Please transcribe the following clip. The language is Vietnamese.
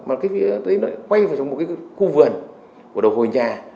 mà quay vào trong một cái khu vườn của đồ hồi nhà